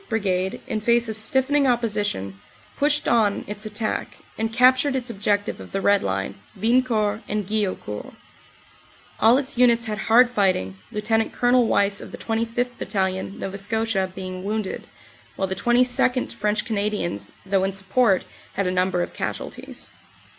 Brigade, in face of stiffening opposition, pushed on its attack, and captured its objective of the Red Line, Wiencourt and Guillaucourt. All its units had hard fighting, Lt. Col. Wyse of the 25th. Battalion, Nova Scotia, being wounded, while the 22nd., French Canadians, though in support, had a number of casualties.